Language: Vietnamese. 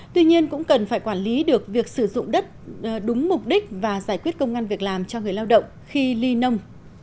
tuy nhiên cũng cần phải quản lý được việc sử dụng đất đúng mục đích và giải quyết công an việc làm cho người lao động khi ly nông